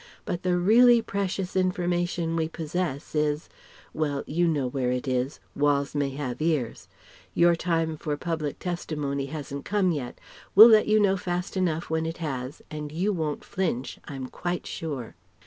But the really precious information we possess is ... well, you know where it is: walls may have ears ... your time for public testimony hasn't come yet ... we'll let you know fast enough when it has and you won't flinch, I'm quite sure..."